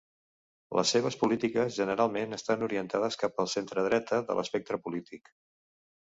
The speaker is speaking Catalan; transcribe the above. Les seves polítiques generalment estan orientades cap al centredreta de l'espectre polític.